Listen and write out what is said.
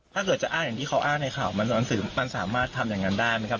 ถ้าเกิดจะอ้างอย่างที่เขาอ้างในข่าวมันสามารถทำอย่างนั้นได้ไหมครับ